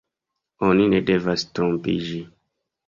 Oni ne devas trompiĝi.